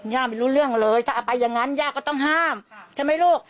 ไม่รู้เรื่องเลยถ้าเอาไปอย่างนั้นย่าก็ต้องห้ามใช่ไหมลูก